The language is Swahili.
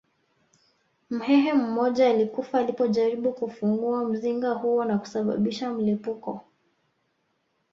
Mhehe mmoja alikufa alipojaribu kufungua mzinga huo na kusababisha mlipuko